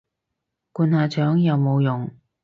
灌下腸有冇用